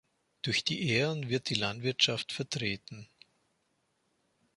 Durch die Ähren wird die Landwirtschaft vertreten.